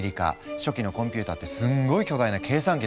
初期のコンピューターってすんごい巨大な計算機だったんだ。